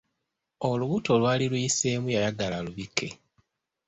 Olubuto olwali luyiseemu yayagala alubikke.